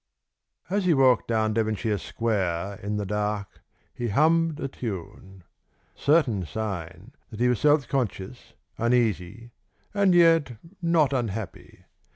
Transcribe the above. As he walked down Devonshire Square in the dark, he hummed a tune: certain sign that he was self conscious, uneasy, and yet not unhappy.